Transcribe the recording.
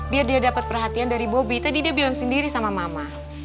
biar dia dapat perhatian dari bobi tadi dia bilang sendiri sama mama